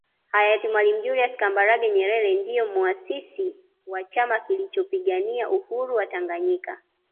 Hayati Mwalimu Julius Kambarage Nyerere ndiye Muasisi wa Chama kilichopigania uhuru wa Tanganyika